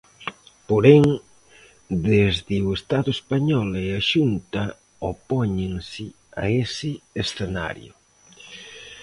Porén, desde o Estado español e a Xunta opóñense a ese escenario.